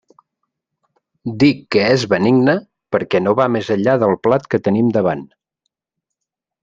Dic que és benigna perquè no va més enllà del plat que tenim davant.